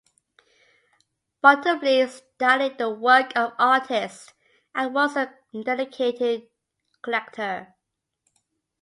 Bottomley studied the work of artists and was a dedicated collector.